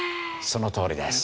そのとおりです。